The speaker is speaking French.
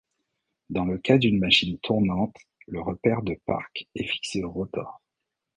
Dans le cas d'une machine tournante, le repère de Park est fixé au rotor.